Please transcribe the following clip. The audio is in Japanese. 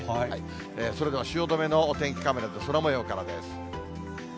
それでは汐留のお天気カメラ、空もようです。